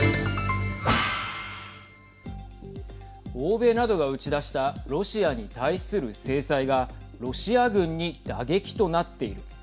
欧米などが打ち出したロシアに対する制裁がロシア軍に打撃となっている。